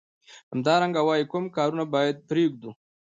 همدارنګه وايي کوم کارونه باید پریږدو.